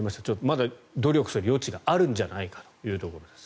まだ努力する余地があるんじゃないかというところです。